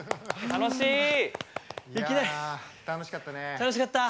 楽しかった。